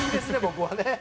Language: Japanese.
僕はね。